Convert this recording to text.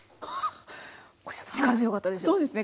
ちょっと力強かったです。